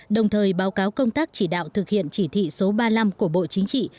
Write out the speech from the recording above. đồng thời báo cáo công tác chỉ đạo thực hiện chỉ thị số ba mươi năm của bộ chính trị